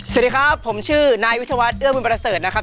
สวัสดีครับผมชื่อนายวิทยาวัฒเอื้อบุญประเสริฐนะครับ